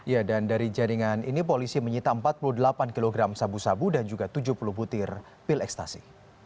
ya dan dari jaringan ini polisi menyita empat puluh delapan kg sabu sabu dan juga tujuh puluh butir pil ekstasi